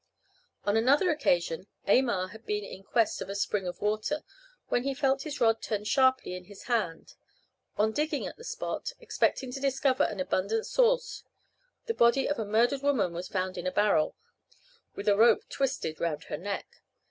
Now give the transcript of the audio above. On another occasion Aymar had been in quest of a spring of water, when he felt his rod turn sharply in his hand. On digging at the spot, expecting to discover an abundant source, the body of a murdered woman was found in a barrel, with a rope twisted round her neck.